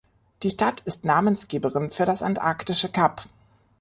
Die Stadt ist Namensgeberin für das antarktische Kap.